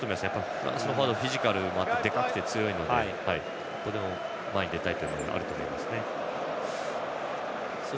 フランスのフォワードはフィジカルが強いのでちょっとでも前に出たいというのはあると思います。